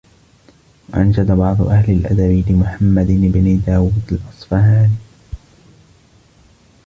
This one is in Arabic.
وَأَنْشَدَ بَعْضُ أَهْلِ الْأَدَبِ لِمُحَمَّدِ بْنِ دَاوُد الْأَصْفَهَانِيِّ